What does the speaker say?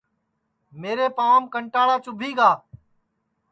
میرے پانٚوام کنٹاݪا چُوبھی گا